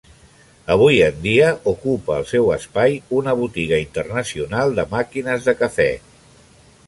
Avui en dia, ocupa el seu espai, una botiga internacional de màquines de cafè.